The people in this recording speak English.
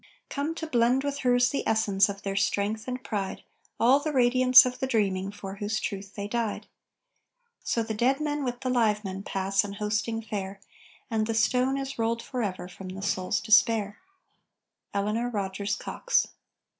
"Come to blend with hers the essence Of their strength and pride, All the radiance of the dreaming For whose truth they died." So the dead men with the live men Pass, an hosting fair, And the stone is rolled forever From the soul's despair. ELEANOR ROGERS COX.